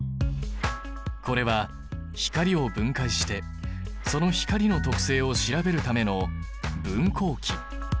これは光を分解してその光の特性を調べるための分光器。